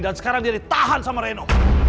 dan sekarang dia ditahan sama reno